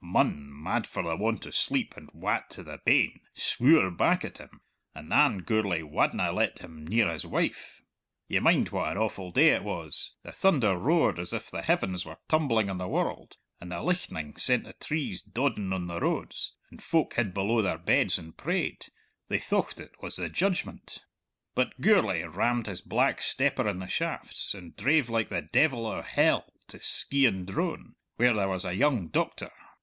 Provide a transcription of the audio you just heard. Munn, mad for the want of sleep and wat to the bane, swüre back at him; and than Gourlay wadna let him near his wife! Ye mind what an awful day it was; the thunder roared as if the heavens were tumbling on the world, and the lichtnin sent the trees daudin on the roads, and folk hid below their beds and prayed they thocht it was the Judgment! But Gourlay rammed his black stepper in the shafts, and drave like the devil o' hell to Skeighan Drone, where there was a young doctor.